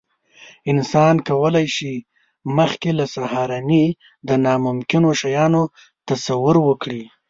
انسان کولی شي، مخکې له سهارنۍ د ناممکنو شیانو تصور وکړي.